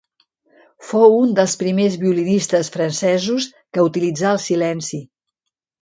Fou un dels primers violinistes francesos, que utilitzà el silenci.